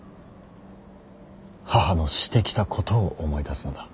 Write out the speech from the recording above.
母のしてきたことを思い出すのだ。